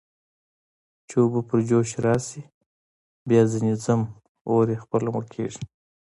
چې اوبه پر جوش راشي، بیا ځنې ځم، اور یې خپله مړ کېږي.